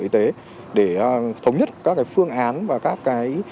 y tế để thống nhất các phương án và các cái